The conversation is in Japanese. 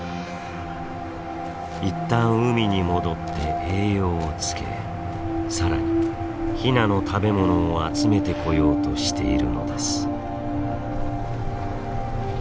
一旦海に戻って栄養をつけ更にヒナの食べ物を集めてこようとしているのです。